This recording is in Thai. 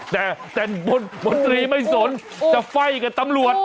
แต่แต่บนตรีไม่สนจะไฟ่กับตำรวจ